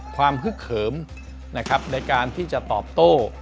ความฮึกเขิมในการที่จะตอบโต้